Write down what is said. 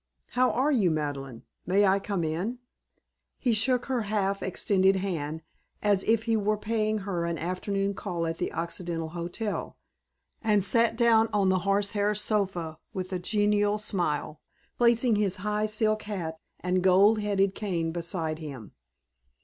"How are you, Madeleine? May I come in?" He shook her half extended hand as if he were paying her an afternoon call at the Occidental Hotel, and sat down on the horsehair sofa with a genial smile; placing his high silk hat and gold headed cane beside him.